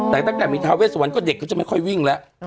แต่ตั้งแต่มีทาเวสวันก็เด็กก็จะไม่ค่อยวิ่งแล้ว